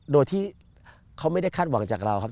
โดยที่เขาไม่ได้คาดหวังจากเราครับ